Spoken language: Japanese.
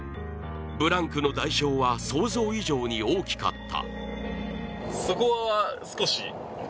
ブランクの代償は想像以上に大きかった。